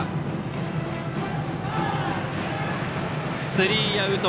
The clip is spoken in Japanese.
スリーアウト。